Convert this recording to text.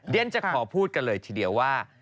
เดี๋ยวจะขอพูดกันเลยทีเดียวว่า